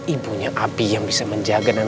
ibunya api yang bisa menjaga dan